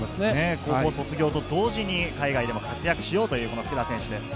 高校卒業と同時に活躍しようという福田選手です。